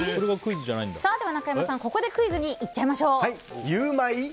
中山さん、ここでクイズにいっちゃいましょう。